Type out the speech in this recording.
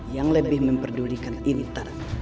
yang lebih memperdulikan intan